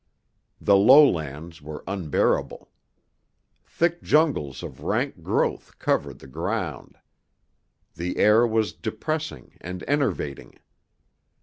The low lands were unbearable. Thick jungles of rank growth covered the ground. The air was depressing and enervating.